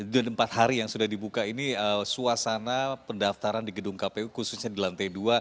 jadi empat hari yang sudah dibuka ini suasana pendaftaran di gedung kpu khususnya di lantai dua